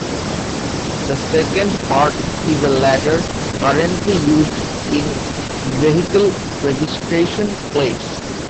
The second part is a letter, currently used in vehicle registration plates.